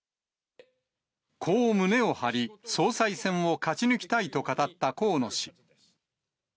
こう胸を張り、総裁選を勝ち抜きたいと語った河野氏。